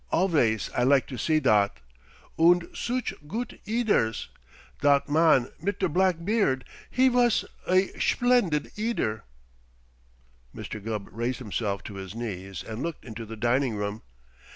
Alvays I like to see dot. Und sooch goot eaders! Dot man mit der black beard, he vos a schplendid eader!" Mr. Gubb raised himself to his knees and looked into the dining room.